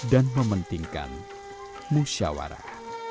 dan mementingkan musawarah